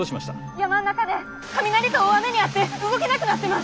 山ん中で雷と大雨に遭って動けなくなってます。